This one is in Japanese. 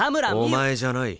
お前じゃない。